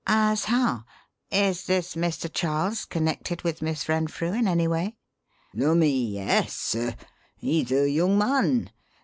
"As how? Is this 'Mr. Charles' connected with Miss Renfrew in any way?" "Lummy! yes, sir he's her young man.